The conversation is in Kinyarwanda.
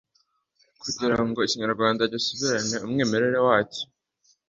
kugira ngo ikinyarwanda gisubirane umwimerere wacyo